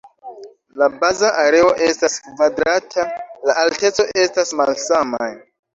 La baza areo estas kvadrata, la alteco estas malsamaj.